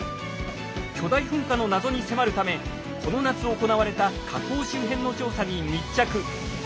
巨大噴火の謎に迫るためこの夏行われた火口周辺の調査に密着。